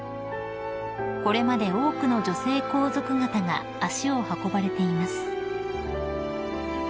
［これまで多くの女性皇族方が足を運ばれています］